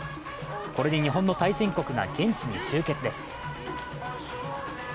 これで日本の対戦国が現地に集結です。